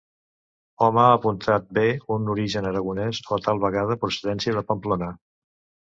Hom ha apuntat bé un origen aragonès o tal vegada procedència de Pamplona.